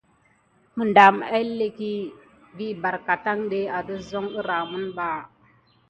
Məɗam héhélèk barbar té naku lukudi.